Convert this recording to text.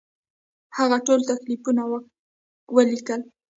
هغه ټول تکلیفونه ولیکل.